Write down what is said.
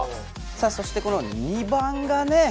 さあそしてこの２番がね。